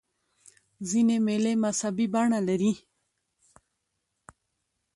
ځیني مېلې مذهبي بڼه لري.